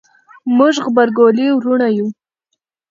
موږ غبرګولي وروڼه یو